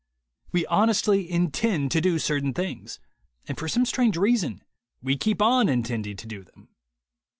We honestly intend to do certain things, and for some strange reason we keep on intending to do them.